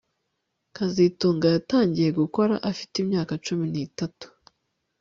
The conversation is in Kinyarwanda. kazitunga yatangiye gukora afite imyaka cumi nitatu